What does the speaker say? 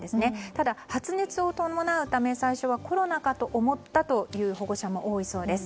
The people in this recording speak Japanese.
ただ、発熱を伴うため最初はコロナかと思ったという保護者も多いそうです。